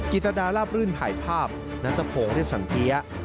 กิจดาราบรื่นถ่ายภาพนัทพงศ์เรียบสันเทีย